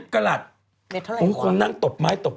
๑๐กลัดคงนั้งตบไม้ตบมือ